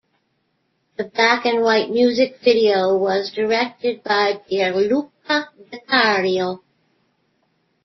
The black and white music video was directed by Pierluca DeCario.